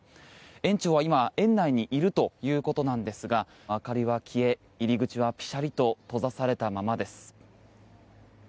園長は今、園内にいるということなんですが明かりは消え、入り口はピシャリと閉ざされたままです。